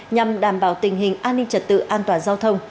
nhằm đảm bảo tình hình an ninh trật tự an toàn giao thông